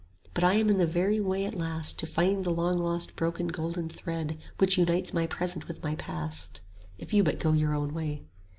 But I am in the very way at last To find the long lost broken golden thread 50 Which unites my present with my past, If you but go your own way.